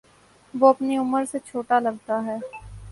وہ اپنی عمر سے چھوٹا لگتا ہے